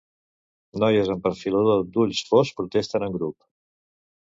Noies amb perfilador d'ulls fosc protesten en grup.